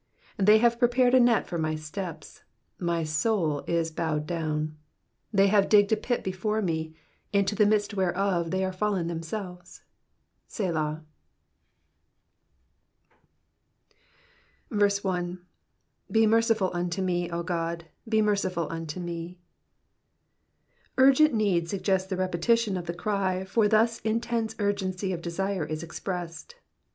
6 They have prepared a net for my steps ; my soul is bowed down : they have digged a pit before me, into the midst whereof they are fallen themselves, Selah. 1. *^^Be mercijul unto mty 0 Gody he mere\ful unto *W€." Urgent need suggests the repetition of the cry, for thus intense urgency of desire is expressed.